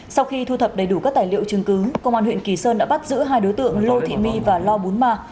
sau khi thu thập đầy đủ các tài liệu chứng cứ công an huyện kỳ sơn đã bắt giữ hai đối tượng lô thị my và lo bún ma